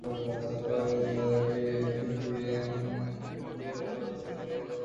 পরে তাঁকে রশি দিয়ে বেঁধে ধারালো অস্ত্র দিয়ে এলোপাতাড়ি কোপানো হয়।